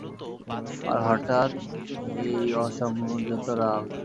তাই হঠাৎ এই অসংযত রাগ।